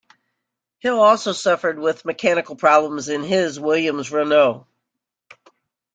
Hill also suffered with mechanical problems in his Williams-Renault.